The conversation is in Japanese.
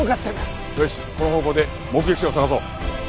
よしこの方向で目撃者を捜そう。